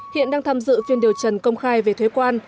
hiện đang tham dự phiên điều trần công khai về thuế quan